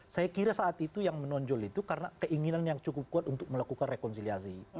saya kira saat itu yang menonjol itu karena keinginan yang cukup kuat untuk melakukan rekonsiliasi